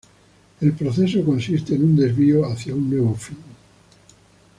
El proceso consiste en un desvío hacia un nuevo fin.